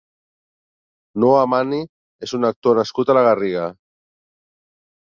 Noah Manni és un actor nascut a la Garriga.